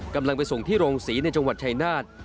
กำลังไปส่งที่โรงศรีในจังหวัดชายนาฏ